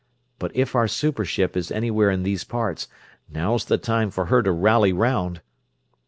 But if our super ship is anywhere in these parts, now's the time for her to rally 'round!"